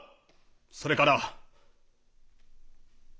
それから。